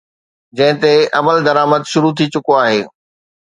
جنهن تي عملدرآمد شروع ٿي چڪو آهي.